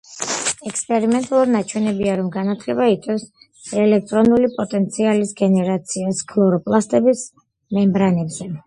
ექსპერიმენტულად ნაჩვენებია, რომ განათება იწვევს ელექტრული პოტენციალის გენერაციას ქლოროპლასტების მემბრანებზე.